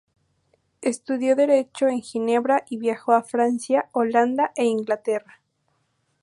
Estudió derecho en Ginebra y viajó a Francia, Holanda e Inglaterra.